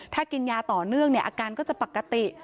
ถ้ากินยาต่อเนื่องเนี่ยอาการก็จะปกติ